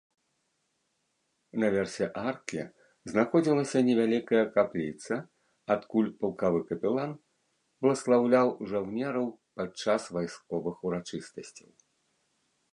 Наверсе аркі знаходзілася невялікая капліца, адкуль палкавы капелан бласлаўляў жаўнераў падчас вайсковых урачыстасцяў.